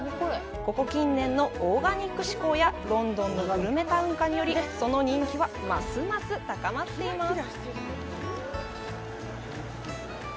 ここ近年のオーガニック志向やロンドンのグルメタウン化によりその人気はますます高まっています！